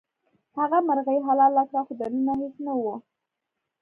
هغه مرغۍ حلاله کړه خو دننه هیڅ نه وو.